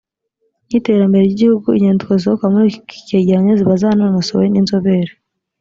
n iterambere ry igihugu inyandiko zisohoka muri iki cyegeranyo ziba zanososowe n inzobere